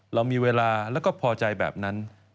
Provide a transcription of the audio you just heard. เรามีเวลาแล้วก็พอใจแบบนั้น